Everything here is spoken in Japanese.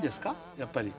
やっぱり。